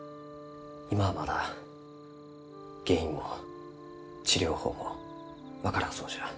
今はまだ原因も治療法も分からんそうじゃ。